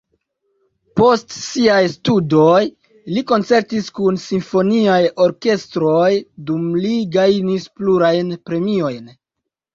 Post siaj studoj li koncertis kun simfoniaj orkestroj, dum li gajnis plurajn premiojn.